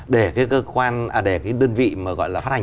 để cái đơn vị mà gọi là phát hành